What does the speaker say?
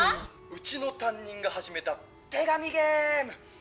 うちの担任が始めた手紙ゲーム！